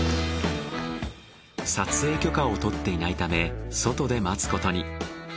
撮影許可を取っていないため外で待つことに。